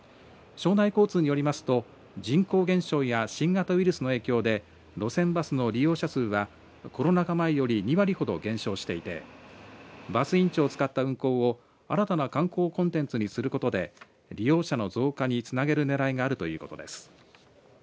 庄内交通によりますと人口減少や新型ウイルスの影響で路線バスの利用者数はコロナ禍前より２割ほど減少していてバス印帳を使った運行を新たな観光コンテンツにすることで利用者の増加につなげるねらいがあるということです。